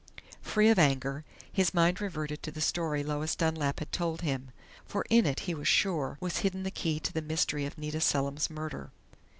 Free of anger, his mind reverted to the story Lois Dunlap had told him. For in it, he was sure, was hidden the key to the mystery of Nita Selim's murder.